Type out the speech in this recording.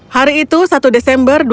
kau punya ide yang lebih baik